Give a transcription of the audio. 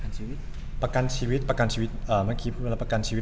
ประกันชีวิตประกันชีวิตประกันชีวิตเอ่อเมื่อกี้พูดมาแล้วประกันชีวิต